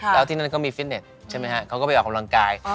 แล้วที่นั่นก็มีฟิตเน็ตใช่ไหมฮะเขาก็ไปออกกำลังกาย